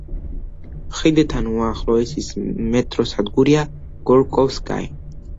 ხიდთან უახლოესი მეტროსადგურია „გორკოვსკაია“.